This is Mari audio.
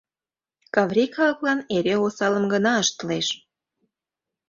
Каври калыклан эре осалым гына ыштылеш.